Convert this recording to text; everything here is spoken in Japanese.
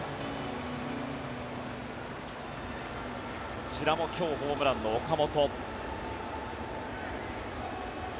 こちらも今日ホームランの岡本。